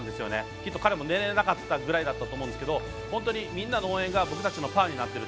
きっと彼も寝れなかったぐらいだと思うんですけど本当にみんなの応援が僕たちのパワーになっている。